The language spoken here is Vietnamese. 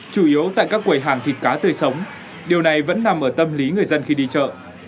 chủ yếu tại các quầy hàng thịt cá tươi sống điều này vẫn nằm ở tâm lý người dân khi đi chợ